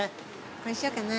これにしようかな。